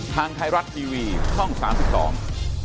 ทางไทยรัฐทีวีช่องสามสิบสอง